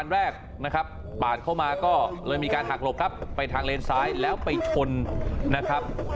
แรกนะครับปาดเข้ามาก็เลยมีการหักหลบครับไปทางเลนซ้ายแล้วไปชนนะครับ